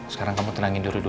sekarang kamu tenangin dulu dulu